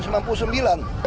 jadi seorang pejabat pusat